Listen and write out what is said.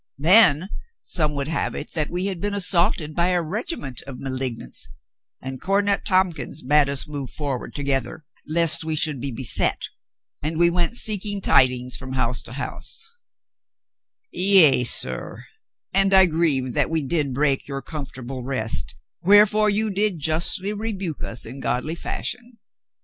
Then some would have it that we had been assaulted by a regiment of malignants, and Cornet Tompkins bade us move forward together, lest we should be beset, and we went seeking tidings from house to house; yea, sir, and I grieve that we did A PERSON OF IMPORTANCE 53 break your comfortable rest, wherefore you did justly rebuke us in godly fashion.